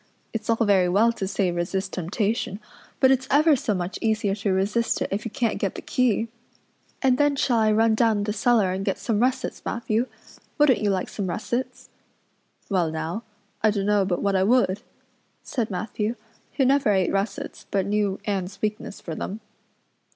It's all very well to say resist temptation, but it's ever so much easier to resist it if you can't get the key. And then shall I run down the cellar and get some russets, Matthew? Wouldn't you like some russets?" "Well now, I dunno but what I would," said Matthew, who never ate russets but knew Anne's weakness for them.